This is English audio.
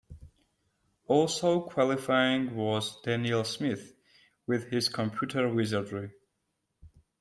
Also qualifying was Daniel Smith with his computer wizardy.